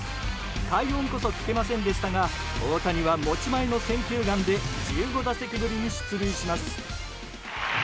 快音こそ聞けませんでしたが大谷は持ち前の選球眼で１５打席ぶりに出塁します。